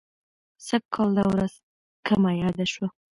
سږ کال دا ورځ کمه یاده شوه.